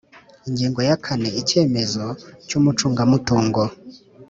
Ingingo ya kane Icyemezo cy umucungamutungo